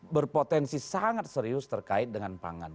berpotensi sangat serius terkait dengan pangan